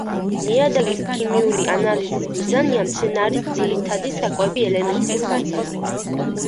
ნიადაგის ქიმიური ანალიზის მიზანია მცენარის ძირითადი საკვები ელემენტების განსაზღვრა.